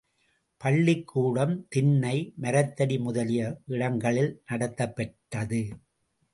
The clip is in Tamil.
பள்ளிக்கூடம், திண்ணை, மரத்தடி முதலிய விடங்களில் நடத்தப்பட்டது.